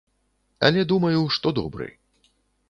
Але думаю, што добры.